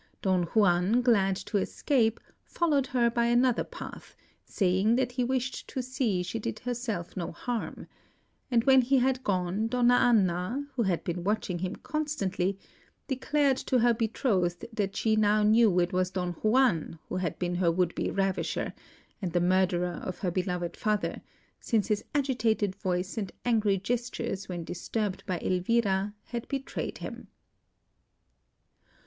Don Juan, glad to escape, followed her by another path, saying that he wished to see she did herself no harm; and when he had gone, Donna Anna, who had been watching him constantly, declared to her betrothed that she now knew it was Don Juan who had been her would be ravisher, and the murderer of her beloved father, since his agitated voice and angry gestures when disturbed by Elvira had betrayed him.